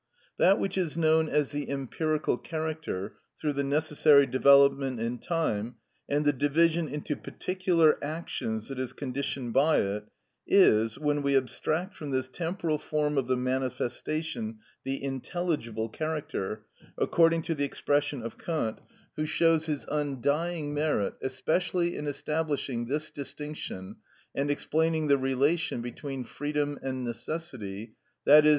That which is known as the empirical character, through the necessary development in time, and the division into particular actions that is conditioned by it, is, when we abstract from this temporal form of the manifestation the intelligible character, according to the expression of Kant, who shows his undying merit especially in establishing this distinction and explaining the relation between freedom and necessity, _i.e.